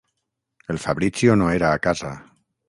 El Fabrizio no era a casa.